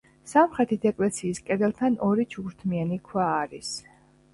სამხრეთით ეკლესიის კედელთან ორი ჩუქურთმიანი ქვა არის.